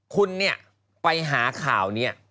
คุณเนี่ยไปหาข่าวนี้